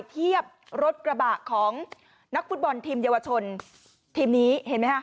เทียบรถกระบะของนักฟุตบอลทีมเยาวชนทีมนี้เห็นไหมฮะ